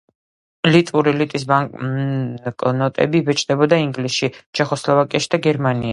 ლიტვური ლიტის ბანკნოტები იბეჭდებოდა ინგლისში, ჩეხოსლოვაკიაში და გერმანიაში.